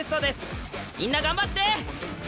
みんな頑張って！